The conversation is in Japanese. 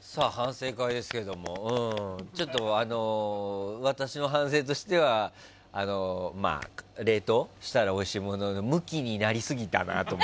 さあ、反省会ですけど私の反省としては冷凍したらおいしいものむきになりすぎたなって。